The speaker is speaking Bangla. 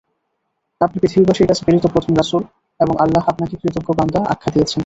আপনি পৃথিবীবাসীর কাছে প্রেরিত প্রথম রাসূল এবং আল্লাহ আপনাকে কৃতজ্ঞ বান্দা আখ্যা দিয়েছেন।